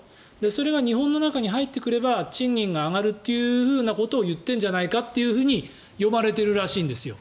それが日本の中に入ってくれば賃金が上がるということを言っているんじゃないかと読まれているらしいんですよ。